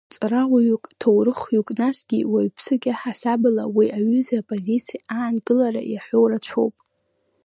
Ҵарауаҩык, ҭоурыхҩҩык, насгьы уаҩԥсык иаҳасабала уи аҩыза апозициа аанкылара иаҳәоу рацәоуп.